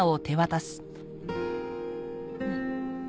うん。